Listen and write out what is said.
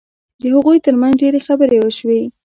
د هغوی ترمنځ ډېرې خبرې وشوې